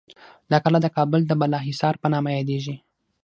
دا کلا د کابل د بالاحصار په نامه یادیږي.